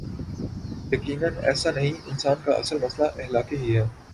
یقینا ایسا نہیں انسان کا اصل مسئلہ اخلاقی ہی ہے۔